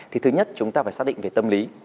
thì thứ nhất chúng ta phải xác định về tâm lý